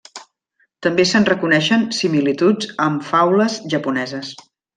També se'n reconeixen similituds amb faules japoneses.